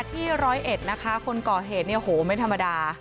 ร้อยเอ็ดนะคะคนก่อเหตุเนี่ยโหไม่ธรรมดา